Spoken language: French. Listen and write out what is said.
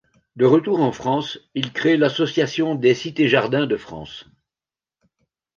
De retour en France, il crée l'Association des Cités-Jardins de France.